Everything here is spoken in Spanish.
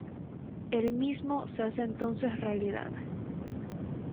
El mismo se hace entonces realidad.